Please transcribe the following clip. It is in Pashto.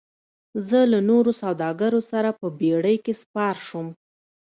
زه له نورو سوداګرو سره په بیړۍ کې سپار شوم.